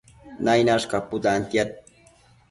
Nainash caputantiad